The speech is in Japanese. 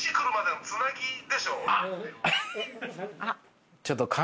あっ！